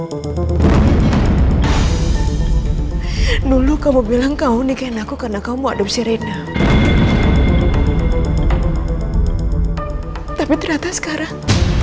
hai dulu kamu bilang kau nikahin aku karena kau mau adem sirena tapi ternyata sekarang